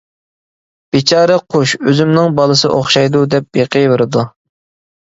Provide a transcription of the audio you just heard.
بىچارە قۇش، ئۆزۈمنىڭ بالىسى ئوخشايدۇ دەپ بېقىۋېرىدۇ.